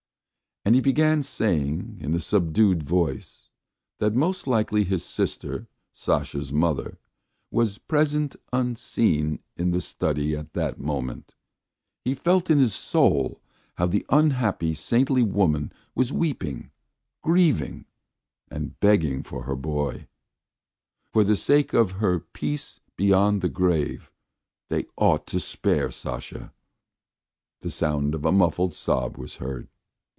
And he began saying in a subdued voice that most likely his sister, Sasha's mother, was present unseen in the study at that moment. He felt in his soul how the unhappy, saintly woman was weeping, grieving, and begging for her boy. For the sake of her peace beyond the grave, they ought to spare Sasha. The sound of a muffled sob was heard.